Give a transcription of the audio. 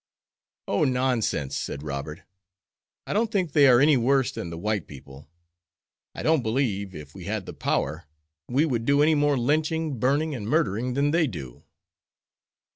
"O, nonsense," said Robert. "I don't think they are any worse than the white people. I don't believe, if we had the power, we would do any more lynching, burning, and murdering than they do."